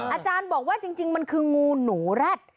อาจารย์บอกว่าจริงมันคืองูหนูแร็ด